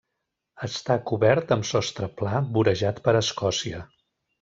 Està cobert amb sostre pla, vorejat per escòcia.